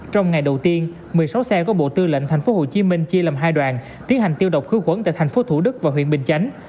trong ngày đầu tiên một mươi sáu xe của bộ tư lệnh tp hcm chia làm hai đoàn tiến hành tiêu độc khử quẩn tại tp thủ đức và huyện bình chánh